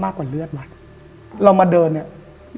กว่าเลือดไหมเรามาเดินเนี่ย